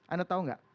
anda tahu nggak